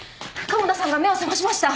鴨田さんが目を覚ましました！